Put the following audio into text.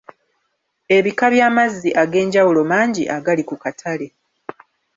Ebika by'amazzi ag'enjawulo mangi agali ku katale.